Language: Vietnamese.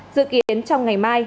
dự kiến trong ngày mai